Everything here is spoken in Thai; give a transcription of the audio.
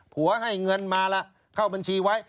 ให้เงินมาล่ะเข้าบัญชีไว้